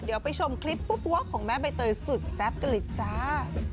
เดี๋ยวไปชมคลิปปั๊วของแม่ใบเตยสุดแซ่บกันเลยจ้า